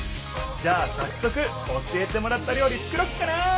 じゃあさっそく教えてもらった料理作ろっかな！